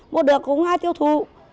mua được cũng ai tiêu thụ